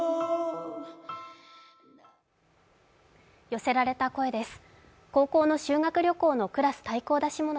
寄せられた声です。